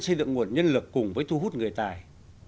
xây dựng nguồn nhân lực cùng với thu hút người tài